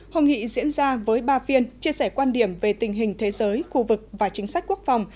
hội nghị diễn ra với ba phiên chia sẻ quan điểm về tình hình thế giới khu vực và chính sách quốc phòng